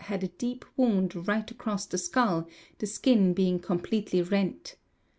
had a deep wound right across the skull, the skin being completely rent.